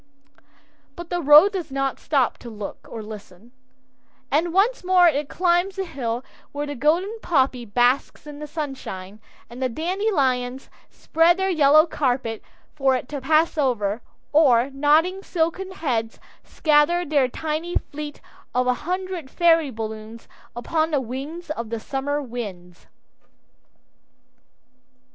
But the road does not stop to look or listen, and once more it climbs the hill where the golden poppy basks in the sunshine, and the dandelions spread their yellow carpet for it to pass over, or, nodding silken heads scatter their tiny fleet of a hundred fairy balloons upon the wings of the summer winds.